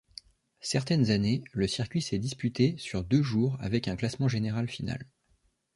Certaines années, le circuit s'est disputé sur deux jours avec un classement général final.